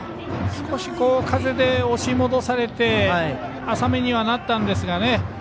少し、風で押し戻されて浅めには、なったんですがね。